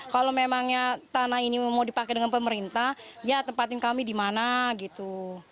kalau memangnya tanah ini mau dipakai dengan pemerintah ya tempatin kami di mana gitu